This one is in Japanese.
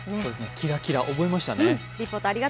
キラキラ覚えましたね。